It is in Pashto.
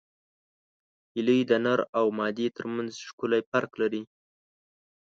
هیلۍ د نر او مادې ترمنځ ښکلی فرق لري